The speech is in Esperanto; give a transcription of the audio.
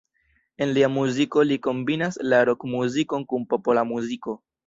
En lia muziko li kombinas la rok-muzikon kun popola muziko.